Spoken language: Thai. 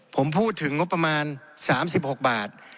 ผมพูดถึงงบประมาณ๓๖บาท